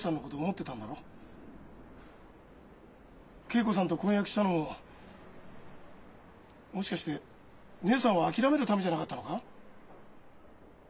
桂子さんと婚約したのももしかして義姉さんを諦めるためじゃなかったのか？